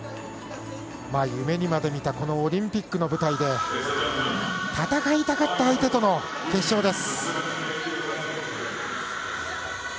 夢にまで見たオリンピックの舞台で戦いたかった相手との決勝です。